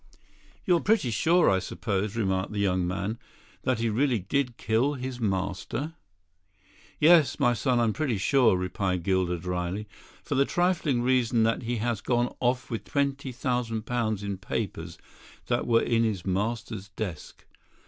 "You're pretty sure, I suppose," remarked the young man, "that he really did kill his master?" "Yes, my son, I'm pretty sure," replied Gilder drily, "for the trifling reason that he has gone off with twenty thousand pounds in papers that were in his master's desk.